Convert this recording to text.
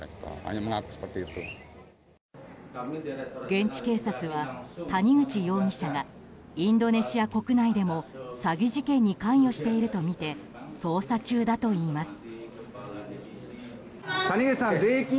現地警察は、谷口容疑者がインドネシア国内でも詐欺事件に関与しているとみて捜査中だといいます。